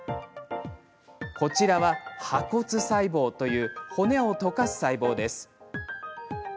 こちらは破骨細胞という骨を溶かす細胞です。